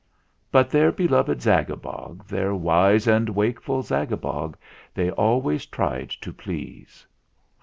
But their beloved Zagabog, Their wise and wakeful Zagabog, They always tried to please.